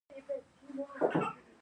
د دوي پۀ بې لګامه کولو کښې